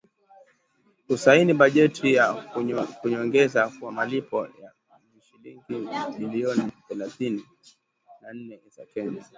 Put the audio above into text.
kusaini bajeti ya nyongeza kwa malipo ya shilingi bilioni thelathini na nne za Kenya